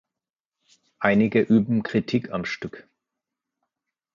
Einige üben Kritik am Stück.